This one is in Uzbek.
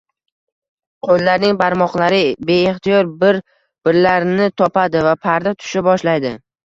Qo‘llarning barmoqlari beixtiyor bir-birlarini topadi va parda tusha boshlaydi.